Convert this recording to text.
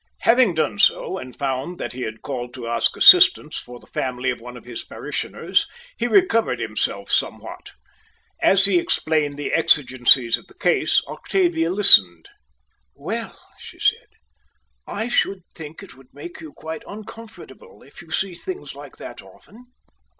Having done so, and found that he had called to ask assistance for the family of one of his parishioners, he recovered himself somewhat. As he explained the exigencies of the case, Octavia listened. "Well," she said, "I should think it would make you quite uncomfortable, if you see things like that often."